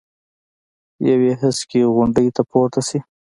یوې هسکې غونډۍ ته پورته شي.